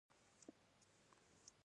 که وجدان ارام وي، ژوند خوږ وي.